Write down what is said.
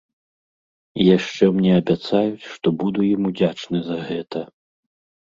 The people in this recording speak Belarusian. І яшчэ мне абяцаюць, што буду ім удзячны за гэта.